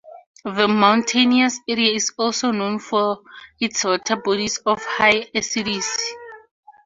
The mountainous area is also known for its water bodies of high acidity.